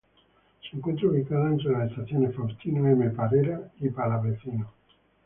Se encuentra ubicada entre las estaciones Faustino M. Parera y Palavecino.